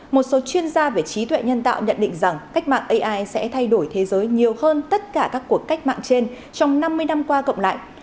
một số chuyên gia về trí tuệ nhân tạo nhận định rằng cách mạng ai sẽ thay đổi thế giới nhiều hơn tất cả các cuộc cách mạng trên trong năm mươi năm qua cộng lại